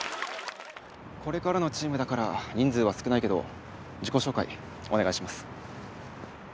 これからのチームだから、人数は少ないけど、自己紹介、お願いします。